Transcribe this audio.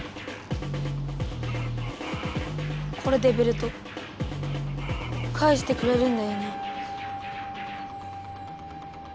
これでベルトかえしてくれるんだよね。